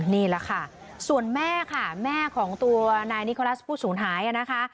นี่แหละค่ะส่วนแม่ค่ะแม่ของตัวนายนิโครัสผู้สูญหายนะคะ